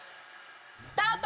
スタート！